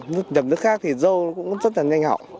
nhập nước khác thì dâu cũng rất là nhanh hỏng